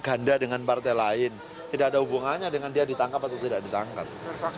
ganda dengan partai lain tidak ada hubungannya dengan dia ditangkap atau tidak ditangkap